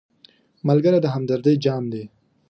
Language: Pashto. ملګری د همدردۍ جام دی